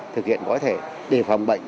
thực hiện có thể đề phòng bệnh